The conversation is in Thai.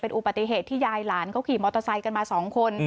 อุบัติเหตุที่ยายหลานเขาขี่มอเตอร์ไซค์กันมา๒คน